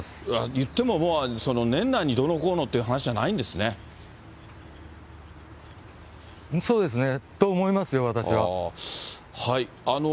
言ってももう、年内にどうのこうのっていう話じゃないんですそうですね、と思いますよ、私は。